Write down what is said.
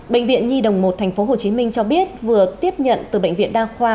bệnh viện nhi đồng một tp hcm cho biết vừa tiếp nhận từ bệnh viện đa khoa